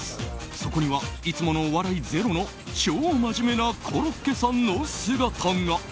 そこには、いつものお笑いゼロの超真面目なコロッケさんの姿が。